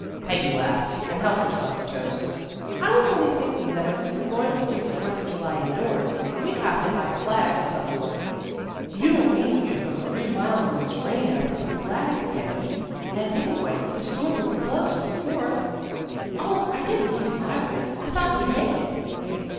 Peggy laughed, and helped herself to toast. "I was only thinking that if we were going to keep the Fourth of July indoors, we'd have to have a flag of some sort." "You don't mean you'd go three miles in this rain after a flag, Peggy. And, anyway, the store would be closed for the Fourth." "Oh, I didn't mean to buy one. I thought we'd make it."